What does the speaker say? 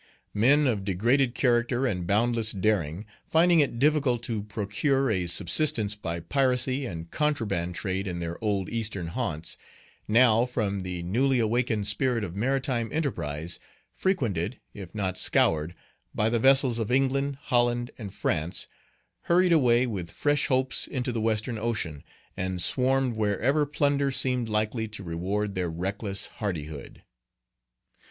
Men of degraded character and boundless daring, finding it difficult to procure a subsistence by piracy and contraband trade in their old eastern haunts, now, from the newly awakened spirit of maritime enterprise, frequented, if not scoured, by the vessels of England, Holland, and France, hurried away with fresh hopes into the western ocean, and swarmed wherever plunder seemed likely to reward their reckless hardihood.